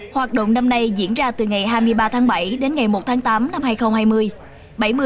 hoạt động năm nay diễn ra từ ngày hai mươi ba tháng bảy đến ngày một tháng tám năm hai nghìn hai mươi